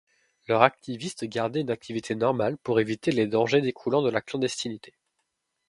Leurs activistes gardaient une activité normale pour éviter les dangers découlant de la clandestinité.